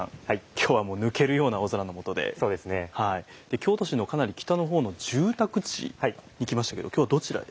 京都市のかなり北の方の住宅地に来ましたけど今日はどちらへ？